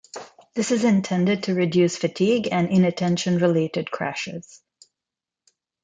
This is intended to reduce fatigue and inattention-related crashes.